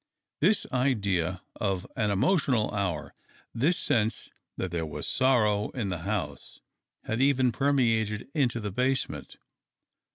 This idea of an emotional hour, this sense that there was sorrow in the house, had even permeated into the basement.